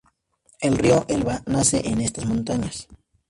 El río Elba nace en estas montañas.